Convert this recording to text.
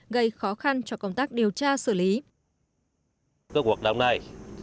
gây khó khăn cho công tác điều tra xử lý